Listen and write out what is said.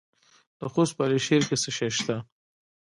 د خوست په علي شیر کې څه شی شته؟